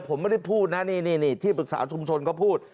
ผมไม่ได้พูดนะนี่ที่ปรึกษาชุมชนเขาพูด